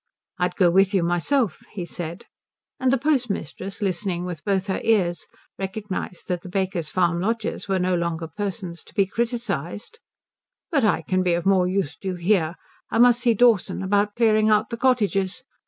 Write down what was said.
"I'd go with you myself," he said, and the postmistress, listening with both her ears, recognized that the Baker's Farm lodgers were no longer persons to be criticised "but I can be of more use to you here. I must see Dawson about clearing out the cottages.